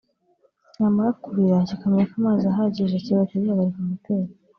yamara kuhira kikamenya ko amazi ahagije kigahita gihagarika moteri